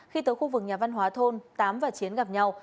khi tới khu vực nhà văn hóa thôn tám và chiến gặp nhau